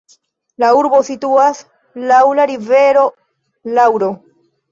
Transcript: La urbo situas laŭ la rivero Luaro.